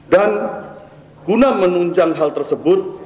dan guna menunjang hal tersebut